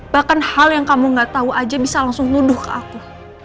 bahkan hal yang kamu gak tahu aja bisa langsung nuduh ke aku